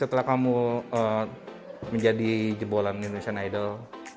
setelah kamu menjadi jebolan indonesian idol